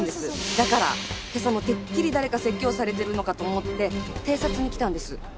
だから今朝もてっきり誰か説教されてるのかと思って偵察に来たんです。